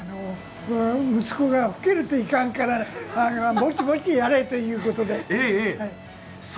息子が老けるといかんからぼちぼちやれということで。